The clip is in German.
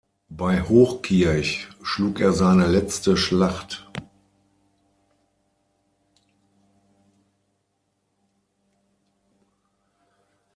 Bei Hochkirch schlug er seine letzte Schlacht.